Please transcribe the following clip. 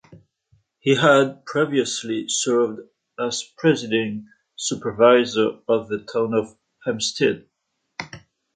He had previously served as presiding supervisor of the town of Hempstead.